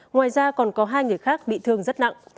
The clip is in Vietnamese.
ngoài ra còn có hai người khác bị thương rất nặng